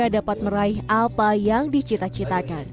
dapat meraih apa yang dicita citakan